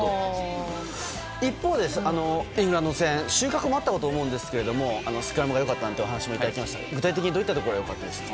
一方、イングランド戦収穫もあったと思いますがスクラムが良かったというお話もいただきましたが具体的にどこが良かったですか。